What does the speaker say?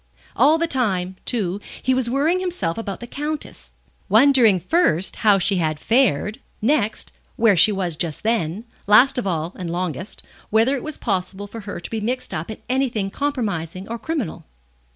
All the time, too, he was worrying himself about the Countess, wondering first how she had fared; next, where she was just then; last of all, and longest, whether it was possible for her to be mixed up in anything compromising or criminal.